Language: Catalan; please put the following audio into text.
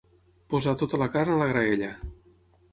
Posar tota la carn a la graella.